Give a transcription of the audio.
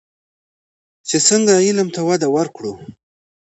چې څنګه علم ته وده ورکړو.